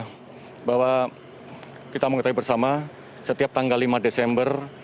saya ingin mengucapkan bahwa kita mengerti bersama setiap tanggal lima desember